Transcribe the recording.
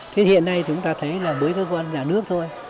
thế hiện nay chúng ta thấy là với cơ quan nhà nước thôi